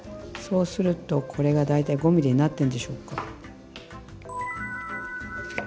そうするとこれが大体５ｍｍになってるんでしょうか。